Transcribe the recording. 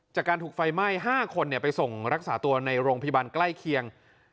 จากการถูกไฟไหม้๕คนไปส่งรักษาตัวในโรงพยาบาลใกล้เคียง